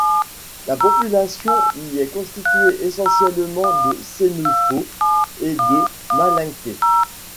La population y est constituée essentiellement de Sénoufos et de Malinkés.